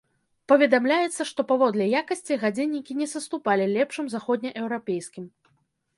Паведамляецца, што паводле якасці гадзіннікі не саступалі лепшым заходнееўрапейскім.